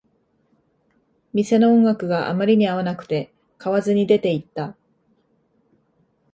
店の音楽があまりに合わなくて、買わずに出ていった